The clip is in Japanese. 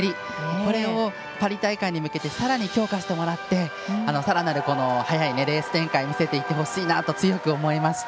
これをパリ大会に向けてさらに強化してもらってさらなる速いレース展開を見せていってほしいなと強く思いました。